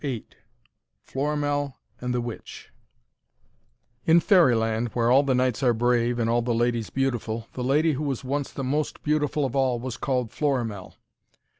VIII FLORIMELL AND THE WITCH In Fairyland, where all the knights are brave, and all the ladies beautiful, the lady who was once the most beautiful of all was called Florimell.